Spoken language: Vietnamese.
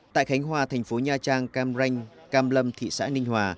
tại khánh hòa thành phố nha trang cam ranh cam lâm thị xã ninh hòa